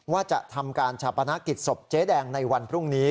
ว่าจะทำการชาปนกิจศพเจ๊แดงในวันพรุ่งนี้